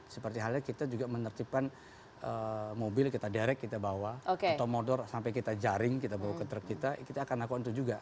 seperti halnya kita juga menertibkan mobil kita direct kita bawa atau motor sampai kita jaring kita bawa ke truk kita kita akan lakukan itu juga